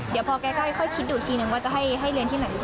เดี๋ยวพอแก้ค่อยคิดดูทีนึงว่าจะให้เรียนที่ไหนด้วยครับ